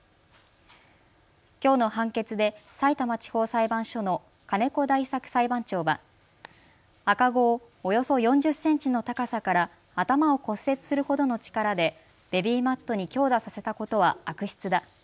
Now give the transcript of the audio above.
きょうの判決でさいたま地方裁判所の金子大作裁判長は赤子をおよそ４０センチの高さから頭を骨折するほどの力でベビーマットに強打させたことは悪質だ。